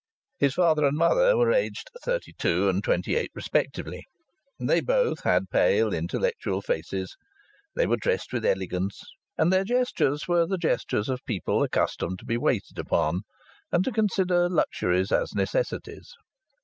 His father and mother were aged thirty two and twenty eight respectively. They both had pale, intellectual faces; they were dressed with elegance, and their gestures were the gestures of people accustomed to be waited upon and to consider luxuries as necessaries.